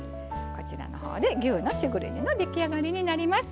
こちらのほうで牛のしぐれ煮の出来上がりになります。